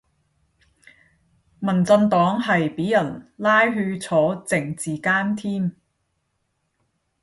民進黨係俾人拉去坐政治監添